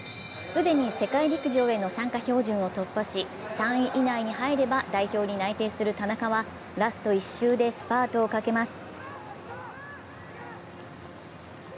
既に世界陸上への参加標準を突破し３位以内に入れば代表に内定する田中はラスト１周でスパートをかけます。